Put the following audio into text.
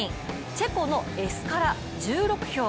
チェコのエスカラ、１６票。